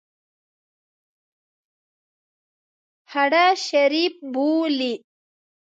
هډه شریف بولي.